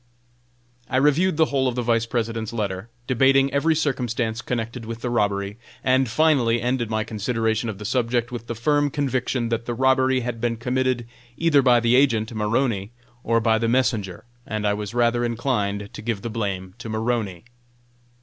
I reviewed the whole of the Vice President's letter, debating every circumstance connected with the robbery, and finally ended my consideration of the subject with the firm conviction that the robbery had been committed either by the agent, Maroney, or by the messenger, and I was rather inclined to give the blame to Maroney.